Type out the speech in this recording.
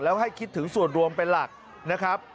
แล้วให้คิดถึงส่วนรวมเป็นหลักนะครับ